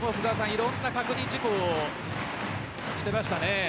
いろんな確認事項をしていましたね。